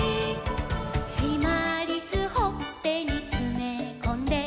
「しまりすほっぺにつめこんで」